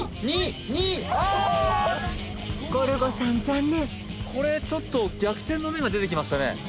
残念これちょっと逆転の目が出てきましたね